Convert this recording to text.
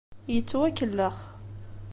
Yettwakellex.